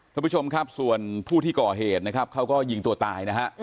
ท่านผู้ชมครับส่วนผู้ที่ก่อเหตุนะครับเขาก็ยิงตัวตายนะฮะ